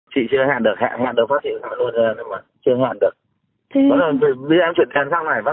chị chưa hẹn được hẹn được phát triển